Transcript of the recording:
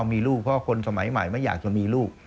มีลูกเพราะคนสมัยใหม่ไม่อยากจะมีลูก